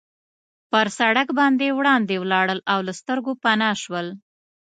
پر سړک باندې وړاندې ولاړل او له سترګو پناه شول.